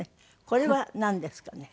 これはなんですかね？